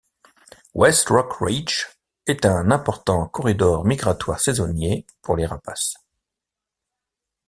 West Rock Ridge est un important corridor migratoire saisonnier pour les rapaces.